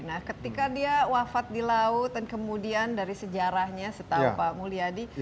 nah ketika dia wafat di laut dan kemudian dari sejarahnya setahu pak mulyadi